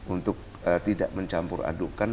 untuk tidak mencampur adukan